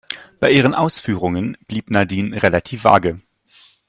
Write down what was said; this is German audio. Bei ihren Ausführungen blieb Nadine relativ vage.